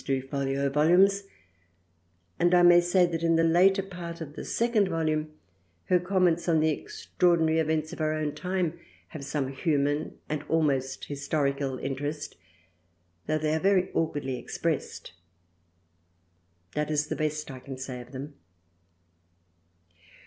H2 6o THRALIANA two folio Volumes, and I may say that in the later part of the second Volume her comments on the extraordinary events of her own time have some human and almost historical interest though they are very awkwardly expressed. This is the best I can say of them.